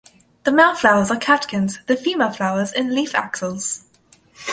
The male flowers are on catkins, the female flowers in leaf axils.